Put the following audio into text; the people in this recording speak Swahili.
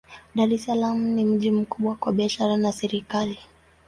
Dar es Salaam ni mji muhimu kwa biashara na serikali.